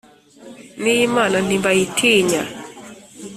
niy’imana ntibayitinya